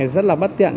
rất là bất tiện